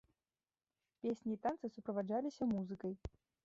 Песні і танцы суправаджаліся музыкай.